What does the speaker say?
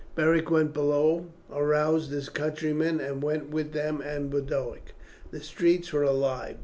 Beric went below, aroused his countrymen, and went with them and Boduoc. The streets were alive.